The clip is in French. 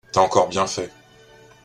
T’as encore bien fait…